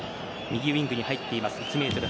右ウィングに入っています